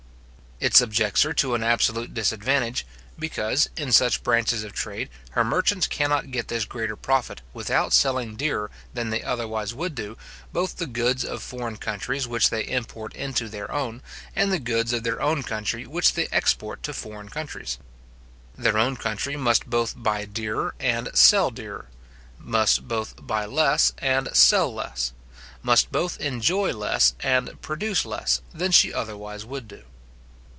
It subjects her to an absolute disadvantage; because, in such branches of trade, her merchants cannot get this greater profit without selling dearer than they otherwise would do, both the goods of foreign countries which they import into their own, and the goods of their own country which they export to foreign countries. Their own country must both buy dearer and sell dearer; must both buy less, and sell less; must both enjoy less and produce less, than she otherwise would do.